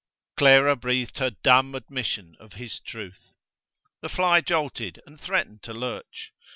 Clara breathed her dumb admission of his truth. The fly jolted and threatened to lurch.